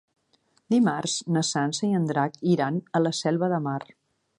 Dimarts na Sança i en Drac iran a la Selva de Mar.